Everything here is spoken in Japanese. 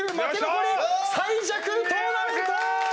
残り最弱トーナメント！